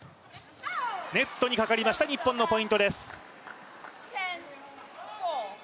ネットにかかりました、日本のポイントです。